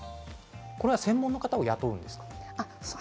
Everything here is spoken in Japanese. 専門の方を雇うんですか？